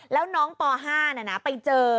แล้วน้องป๕นั้นไปเจอ